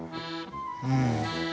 うん。